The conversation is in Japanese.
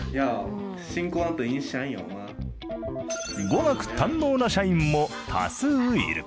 語学堪能な社員も多数いる。